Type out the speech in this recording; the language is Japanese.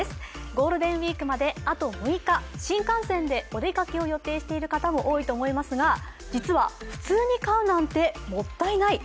ゴールデンウイークまであと６日、新幹線でお出かけを予定している方も多いと思いますが実は普通に買うなんてもったいない。